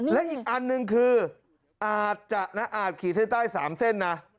และอีกอันหนึ่งคืออาจจะอาจขีดเส้นใต้๓เส้นนะ